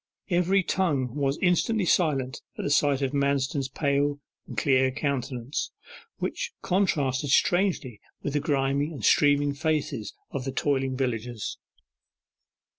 Every tongue was instantly silent at the sight of Manston's pale and clear countenance, which contrasted strangely with the grimy and streaming faces of the toiling villagers.